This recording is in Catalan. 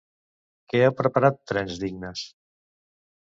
Què ha preparat Trens Dignes?